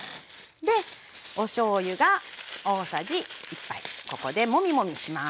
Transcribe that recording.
でおしょうゆが大さじ１杯ここでモミモミします。